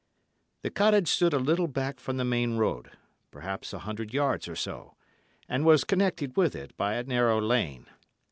The cottage stood a little back from the main road, perhaps a hundred yards or so, and was connected with it by a narrow lane.